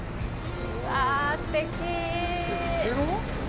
わあ、すてき。